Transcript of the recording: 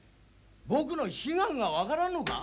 僕の悲願が分からんのか？